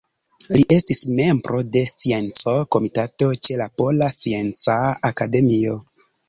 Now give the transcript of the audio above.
Li estis membro de Scienco-Komitato ĉe la Pola Scienca Akademio.